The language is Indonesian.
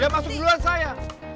iya masuk duluan saya